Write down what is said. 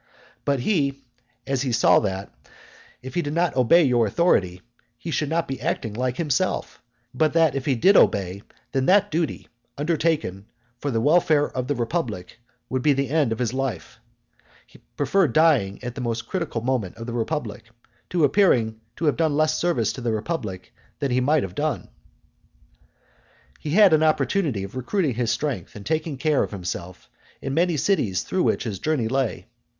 But he, as he saw that, if he did not obey your authority, he should not be acting like himself; but that if he did obey, then that duty, undertaken, for the welfare of the republic, would be the end of his life; preferred dying at a most critical period of the republic, to appearing to have done less service to the republic than he might have done. He had an opportunity of recruiting his strength and taking care of himself in many cities through which his journey lay.